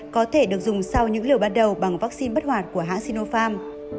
có thể được dùng sau những liều ban đầu bằng vaccine bất hoạt của hãng sinopharm